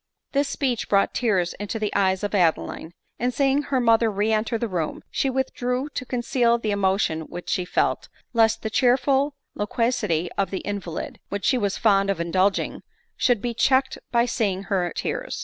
This speech brought tears into the eyes of Adeline ; and seeing her mother re enter the room, she withdrew to conceal the emotion which she felt, lest the cheerful loquacity of the invalid, which she was fond of indulging, \ should be checked by seeing her tears.